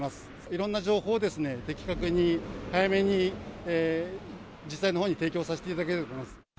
いろんな情報を的確に早めに、自治体のほうに提供させていただければと。